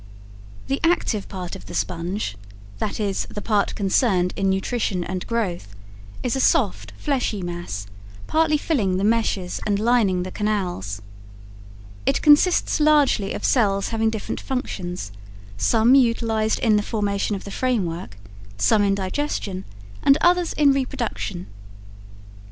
The active part of the sponge, that is, the part concerned in nutrition and growth, is a soft, fleshy mass, partly filling the meshes and lining the canals. It consists largely of cells having different functions; some utilized in the formation of the framework, some in digestion and others in reproduction.